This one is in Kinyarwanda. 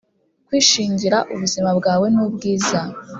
kwishingira ubuzima bwawe nubwiza.